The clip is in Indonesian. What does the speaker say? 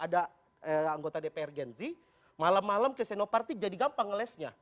ada anggota dpr genzi malam malam ke senoparti jadi gampang ngelesnya